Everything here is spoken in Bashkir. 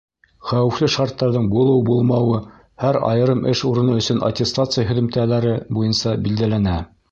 Хәүефле шарттарҙың булыу-булмауы һәр айырым эш урыны өсөн аттестация һөҙөмтәләре буйынса билдәләнә.